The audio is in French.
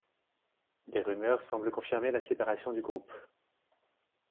Des rumeurs semblent confirmer la séparation du groupe.